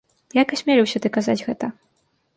Як асмеліўся ты казаць гэта?